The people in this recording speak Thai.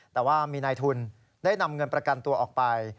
แต่ว่ามีนายทุนได้นำเงินประกันตัวออกไป